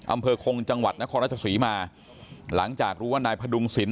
อำเภอคงจังหวัดนครราชศรีมาหลังจากรู้ว่านายพดุงศิลป